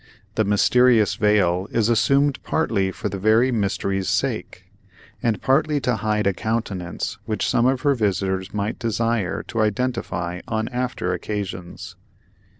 The mysterious veil is assumed partly for the very mystery's sake, and partly to hide a countenance which some of her visitors might desire to identify on after occasions.